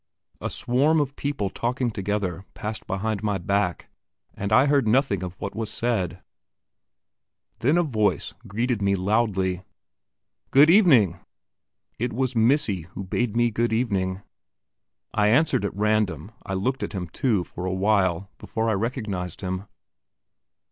A swarm of people talking together passed behind my back, and I heard nothing of what was said. Then a voice greeted me loudly: "Good evening." It was "Missy" who bade me good evening! I answered at random, I looked at him, too, for a while, before I recognized him.